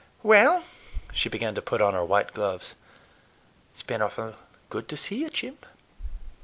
Well,"—she began to put on her white gloves,—"it's been awful good to see you, Jim."